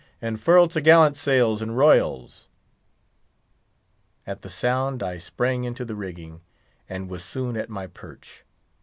and furl t' gallant sails and royals!" At the sound I sprang into the rigging, and was soon at my perch.